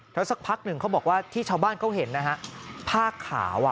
แล้วสักพักหนึ่งเขาบอกว่าที่ชาวบ้านเขาเห็นนะฮะผ้าขาว